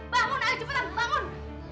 bangun ari cepetan bangun